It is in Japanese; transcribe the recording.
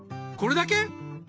これだけ？